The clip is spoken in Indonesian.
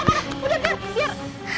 udah udah biar